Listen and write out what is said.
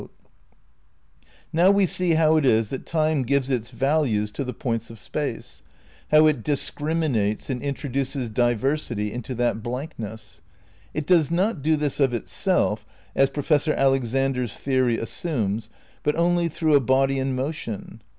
V THE CRITICAL PREPARATIONS 171 Now we see how it is that Time gives its values to the points of Space, how it discriminates and intro duces diversity into that blankness. It does not do this of itself, as Professor Alexander's theory assumes, but only through a body in motion.